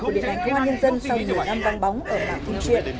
của điện ảnh công an nhân dân sau nhiều năm văng bóng ở làng phim truyện